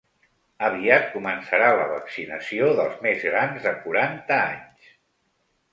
Aviat començarà la vaccinació dels més grans de quaranta anys.